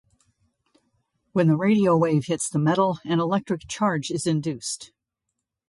When the radio wave hits the metal, an electric charge is induced.